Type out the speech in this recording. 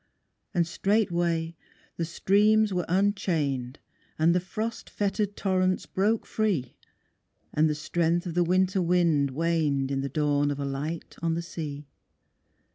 And, straightway, the streams were unchained, And the frost fettered torrents broke free, And the strength of the winter wind waned In the dawn of a light on the sea.